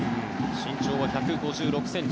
身長は１５６ｃｍ